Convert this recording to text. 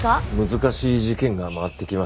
難しい事件が回ってきました。